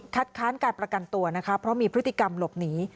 ค้านการประกันตัวนะคะเพราะมีพฤติกรรมหลบหนี